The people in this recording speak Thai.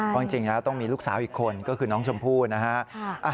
เพราะจริงแล้วต้องมีลูกสาวอีกคนก็คือน้องชมพู่นะฮะ